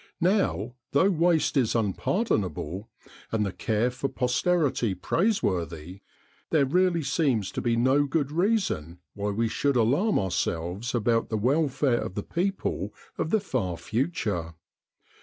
Now, though waste is unpardonable, and the care for posterity praiseworthy, there really seems to be no good reason why we should alarm ourselves about the welfare of the people of the far future.